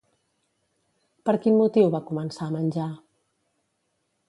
Per quin motiu va començar a menjar?